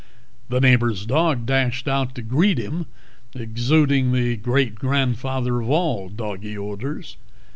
The neighbor's dog dashed out to greet him, exuding the great grandfather of all doggy odors.